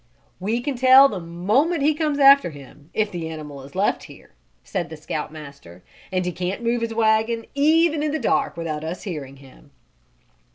"We can tell the moment he comes after him, if the animal is left here," said the Scout Master. "And he can't move his wagon, even in the dark, without us hearing him."